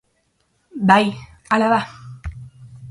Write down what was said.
Bai, hala da.